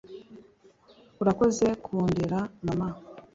urakoze kundera, mama ...